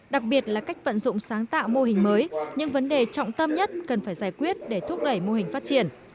đặc biệt là cách vận dụng sáng tạo mô hình mới những vấn đề trọng tâm nhất cần phải giải quyết để thúc đẩy mô hình phát triển